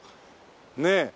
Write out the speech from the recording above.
ねえ。